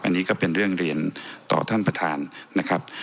อันนี้ก็เป็นเรื่องเรียนต่อท่านประธานนะครับ